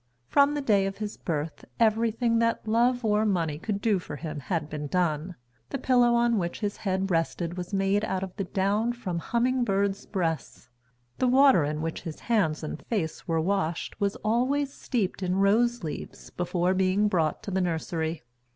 From the day of his birth, everything that love or money could do for him had been done. The pillow on which his head rested was made out of the down from humming birds' breasts. The water in which his hands and face were washed was always steeped in rose leaves before being brought to the nursery.